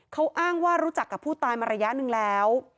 เขาอ้างว่ารู้จักกับผู้ตายมาระยะหนึ่งแล้ว